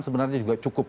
sebenarnya juga cukup